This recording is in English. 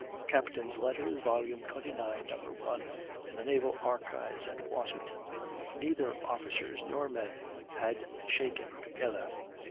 "Captains' Letters," vol. 29, No. 1, in the Naval Archives at Washington. Neither officers nor men had shaken together.